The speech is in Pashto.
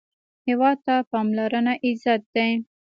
هېواد ته پاملرنه عزت دی